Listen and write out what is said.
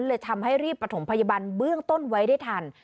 เลยทำให้รีบประถมพยาบาลเบื้องต้นไว้ได้ทัน